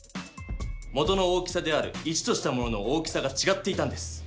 元の大きさである１としたものの大きさがちがっていたんです。